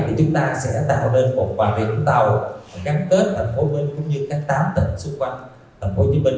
thì chúng ta sẽ tạo nên một quản lý vũng tàu gắn kết tp hcm cũng như các tám tỉnh xung quanh tp hcm